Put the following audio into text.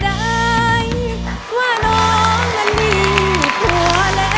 ได้ว่าน้องนั้นมีผัวแล้ว